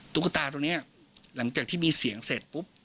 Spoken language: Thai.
ตุ๊กตาตัวนี้หลังจากที่มีเสียงเสร็จปุ๊บ